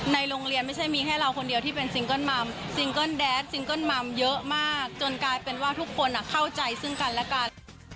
ในโรงเรียนไม่ใช่มีแค่เราคนเดียวที่เป็นซิงเกิ้ลมัมซิงเกิ้ลแดดซิงเกิ้ลมัมเยอะมากจนกลายเป็นว่าทุกคนเข้าใจซึ่งกันและกัน